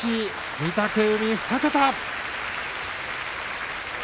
御嶽海２桁。